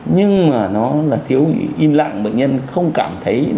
nhưng mà nó là thiếu im lặng bệnh nhân không cảm thấy